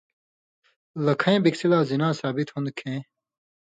لَکھَیں بِکسی لا زِنا ثابِت ہون٘د کھیں